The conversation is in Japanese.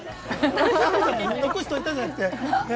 残しておいたじゃなくてね。